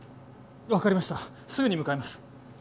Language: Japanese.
分かりましたすぐに向かいます